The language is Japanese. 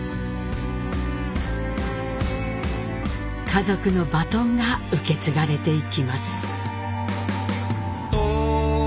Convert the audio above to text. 家族のバトンが受け継がれていきます。